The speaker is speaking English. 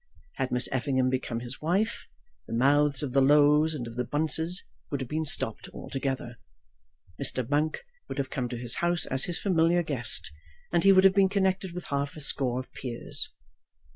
Had Miss Effingham become his wife, the mouths of the Lows and of the Bunces would have been stopped altogether. Mr. Monk would have come to his house as his familiar guest, and he would have been connected with half a score of peers.